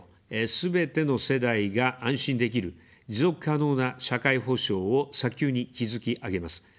すべての世代が安心できる、持続可能な社会保障を早急に築き上げます。